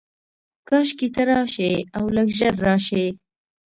کاشکي ته راشې، اولږ ژر راشې